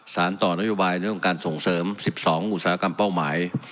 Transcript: สารต่อนโยบายเรื่องของการส่งเสริม๑๒อุตสาหกรรมเป้าหมาย